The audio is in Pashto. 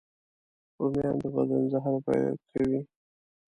رومیان د بدن زهر پاکوي